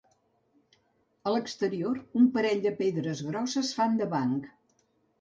A l'exterior, un parell de pedres grosses fan de banc.